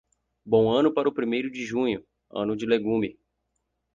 Bom ano para o primeiro de junho, ano de legume.